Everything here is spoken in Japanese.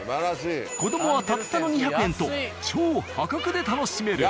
子どもはたったの２００円と超破格で楽しめる。